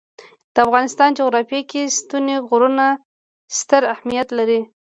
د افغانستان جغرافیه کې ستوني غرونه ستر اهمیت لري.